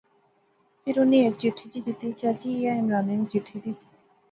فیر انی ہیک چٹھی جئی دیتی، چاچی ایہہ عمرانے نی چٹھی دی